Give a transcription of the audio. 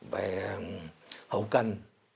về hậu cân